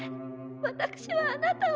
私はあなたを。